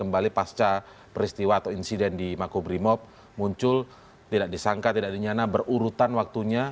bahwa ibu ibu diselam vegang kerajaan